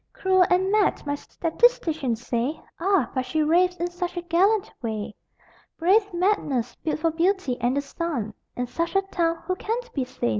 Cruel and mad, my statisticians say Ah, but she raves in such a gallant way! Brave madness, built for beauty and the sun In such a town who can be sane?